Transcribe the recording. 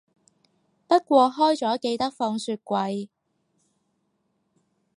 不過開咗記得放雪櫃